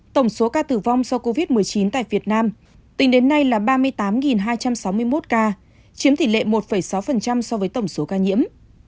tổng số ca tử vong do covid một mươi chín tại việt nam tính đến nay là ba mươi tám hai trăm sáu mươi một ca chiếm tỷ lệ một sáu so với tổng số ca nhiễm